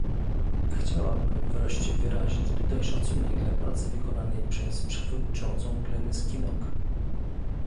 Chciałabym wreszcie wyrazić tutaj szacunek dla pracy wykonanej przez współprzewodniczącą Glenys Kinnock